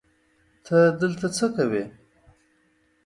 ته دلته څه کوی